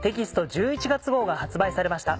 １１月号が発売されました。